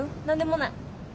何でもない。